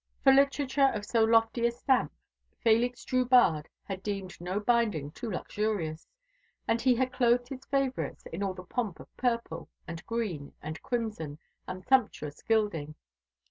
For literature of so lofty a stamp, Félix Drubarde had deemed no binding too luxurious; and he had clothed his favourites in all the pomp of purple, and green, and crimson, and sumptuous gilding.